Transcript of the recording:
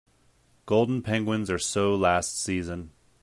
Golden penguins are so last season.